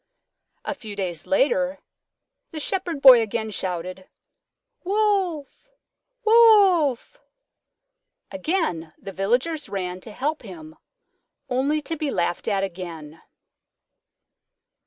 A few days later the Shepherd Boy again shouted, "Wolf! Wolf!" Again the Villagers ran to help him, only to be laughed at again.